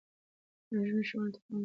د نجونو ښوونه تفاهم زياتوي.